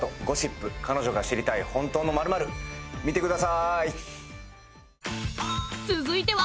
『ゴシップ＃彼女が知りたい本当の○○』見てください。